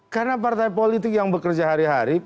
karena partai politik yang bekerja hari hari